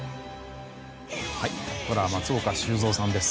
ここからは松岡修造さんです。